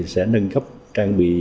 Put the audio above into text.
sẽ nâng cấp trang bị